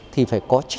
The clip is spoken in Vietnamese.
thì phải có trách nhiệm